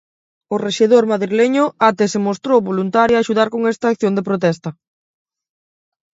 O rexedor madrileño até se mostrou voluntario a axudar con esta acción de protesta.